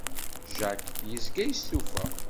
Jacques yezga yestufa.